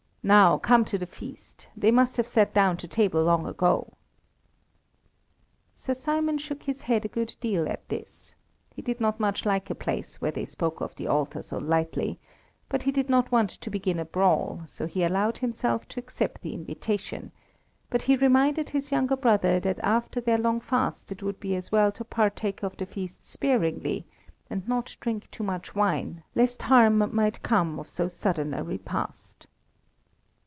Now come to the feast; they must have sat down to table long ago." Sir Simon shook his head a good deal at this. He did not much like a place where they spoke of the altar so lightly; but he did not want to begin a brawl, so he allowed himself to accept the invitation, but he reminded his younger brother that after their long fast it would be as well to partake of the feast sparingly, and not drink too much wine, lest harm might come of so sudden a repast.